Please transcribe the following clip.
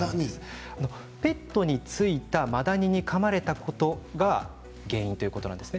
ペットについたマダニにかまれたことが原因ということなんですね。